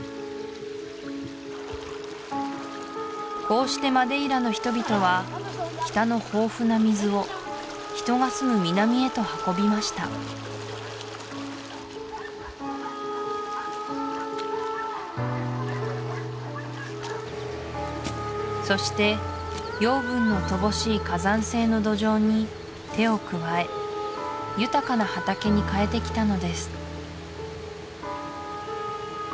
こうしてマデイラの人々は北の豊富な水を人が住む南へと運びましたそして養分の乏しい火山性の土壌に手を加え豊かな畑に変えてきたのです